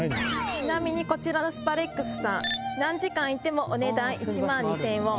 ちなみにこちらのスパレックスさん何時間いてもお値段１万２０００ウォン。